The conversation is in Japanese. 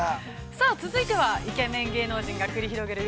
◆さあ、続いては、イケメン芸能人が繰り広げる